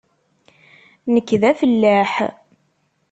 Nekk d afellaḥ.